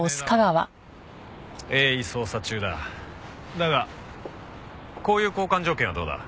だがこういう交換条件はどうだ？